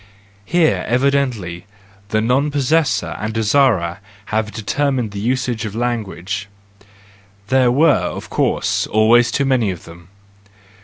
Here, evidently, the non possessors and desirers have determined the usage of language,—there were, of course, always too many of them.